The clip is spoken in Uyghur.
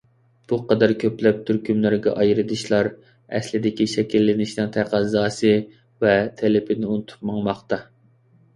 بۇ قەدەر كۆپلەپ تۈركۈملەرگە ئايرىلىشلار ئەسلىدىكى شەكىللىنىشىنىڭ تەقەززاسى ۋە تەلىپىنى ئۇنتۇپ ماڭماقتا.